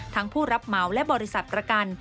ผู้รับเหมาและบริษัทประกัน